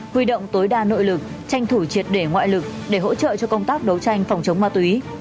huy động tối đa nội lực tranh thủ triệt để ngoại lực để hỗ trợ cho công tác đấu tranh phòng chống ma túy